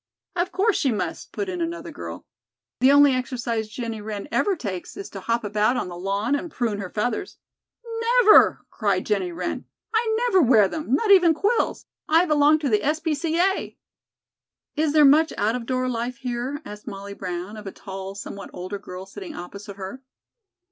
"Of course she must," put in another girl. "The only exercise Jennie Wren ever takes is to hop about on the lawn and prune her feathers." "Never!" cried Jennie Wren. "I never wear them, not even quills. I belong to the S. P. C. A." "Is there much out of door life here?" asked Molly Brown, of a tall, somewhat older girl sitting opposite her.